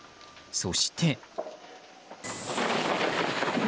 そして。